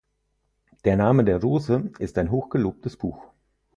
"Der Name der Rose" ist ein hochgelobtes Buch